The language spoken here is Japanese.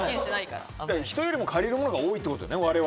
人よりも借りるものが多いということよね。